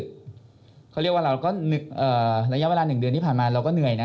เขาเรียกว่าเราก็ระยะเวลา๑เดือนที่ผ่านมาเราก็เหนื่อยนะ